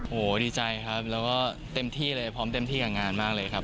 โอ้โหดีใจครับแล้วก็เต็มที่เลยพร้อมเต็มที่กับงานมากเลยครับ